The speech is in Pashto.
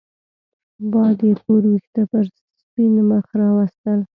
باد يې تور وېښته پر سپين مخ راوستل